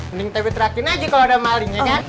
mending tebi trakin aja kalo udah maling ya kan